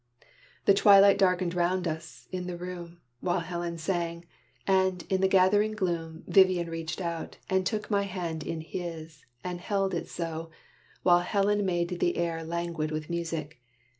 The twilight darkened 'round us, in the room, While Helen sang; and, in the gathering gloom, Vivian reached out, and took my hand in his, And held it so; while Helen made the air Languid with music.